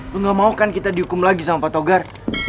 mau gak mau kan kita dihukum lagi sama pak togar